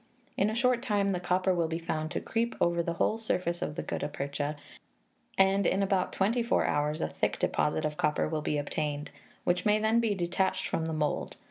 In a short time the copper will be found to creep over the whole surface of the gutta percha, and in about twenty four hours a thick deposit of copper will be obtained, which may then be detached from the mould.